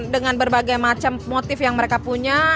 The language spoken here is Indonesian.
dengan berbagai macam motif yang mereka punya